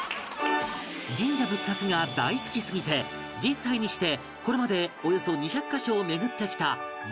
神社仏閣が大好きすぎて１０歳にしてこれまでおよそ２００カ所を巡ってきた丸山裕加ちゃん